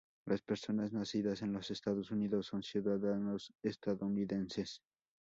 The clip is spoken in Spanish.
Las personas nacidas en los Estados Unidos son ciudadanos estadounidenses.